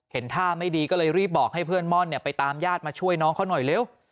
ท่าไม่ดีก็เลยรีบบอกให้เพื่อนม่อนไปตามญาติมาช่วยน้องเขาหน่อยเร็ว